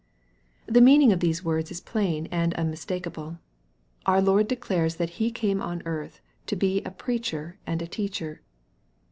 The meaning of these words is plain and umnistakeable. Our Lord declares that He came on earth to be a preacher and a teacher.